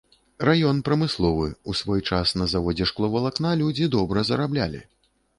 Раён прамысловы, у свой час на заводзе шкловалакна людзі добра зараблялі.